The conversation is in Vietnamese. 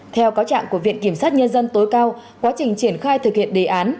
theo cáo trạng của viện kiểm sát nhân dân tối cao quá trình triển khai thực hiện đề án